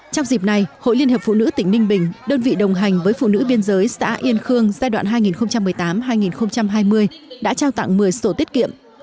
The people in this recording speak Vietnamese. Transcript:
trong dịp này hội liên hiệp phụ nữ tỉnh ninh bình đơn vị đồng hành với phụ nữ biên giới xã yên khương giai đoạn hai nghìn một mươi tám hai nghìn hai mươi đã trao tặng một mươi sổ tiết kiệm